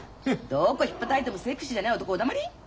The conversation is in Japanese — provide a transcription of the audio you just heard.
どこひっぱたいてもセクシーじゃない男はお黙り！